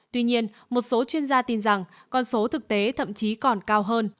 tuy nhiên một số chuyên gia tin rằng con số thực tế thậm chí còn cao hơn